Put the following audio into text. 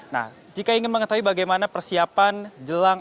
nah jika ingin mengetahui bagaimana persiapan jelang